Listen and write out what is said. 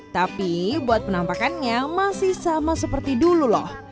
tapi buat penampakannya masih sama seperti dulu loh